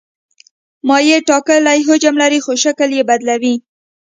مایع ټاکلی حجم لري خو شکل یې بدلوي.